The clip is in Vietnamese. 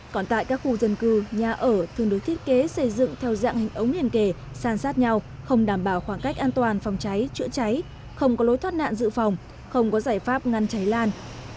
còn tại các khu dân cư nhà ở thường được thiết kế xây dựng theo dạng hình ống liên kề san sát nhau không đảm bảo khoảng cách an toàn phòng cháy chữa cháy không có lối thoát nạn dự phòng không có giải pháp ngăn cháy lan